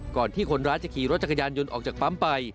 ก่อนที่คนร้ายจะขี่รถจักรยานยนต์ออกจากปั๊มไป